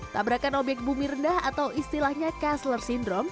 tabrakan obyek bumi rendah atau istilahnya cashler syndrome